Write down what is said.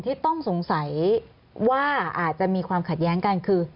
ที่ต้องสงสัยว่าอาจจะมีความขัดแย้งกันคือ